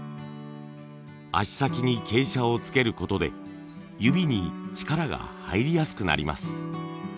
足先に傾斜をつけることで指に力が入りやすくなります。